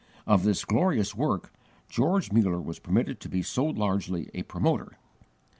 Of this glorious work, George Muller was permitted to be so largely a promoter.